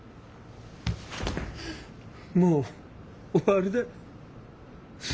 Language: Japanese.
もう終わりだ。